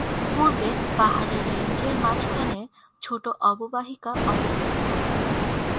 পূর্বে পাহাড়ের রেঞ্জের মাঝখানে, ছোট অববাহিকা অবস্থিত।